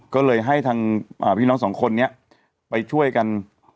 ก็เลยให้ทางพี่น้องสองคนนี้ไปช่วยกัน